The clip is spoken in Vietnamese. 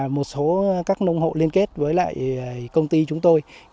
một số các nông hộ liên kết với lại công ty chúng tôi